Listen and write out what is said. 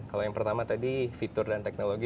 kalau yang pertama tadi fitur dan teknologi